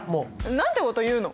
なんてこと言うの！？